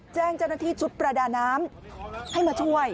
แจ้งเจ้าหน้าที่ชุดประดาน้ำให้มาช่วย